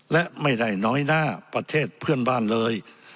และไม่ได้น้อยหน้าประเทศเพื่อนบ้านเลย